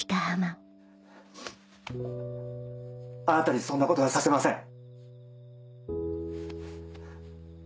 あなたにそんなことはさせません。